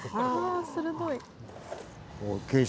あ鋭い。